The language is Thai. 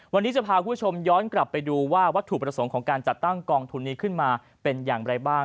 วันนี้จะพาคุณผู้ชมย้อนกลับไปดูว่าวัตถุประสงค์ของการจัดตั้งกองทุนนี้ขึ้นมาเป็นอย่างไรบ้าง